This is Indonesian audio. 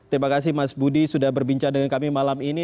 terima kasih mas budi sudah berbincang dengan kami malam ini